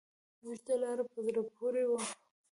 اوږده لاره په زړه پورې وه.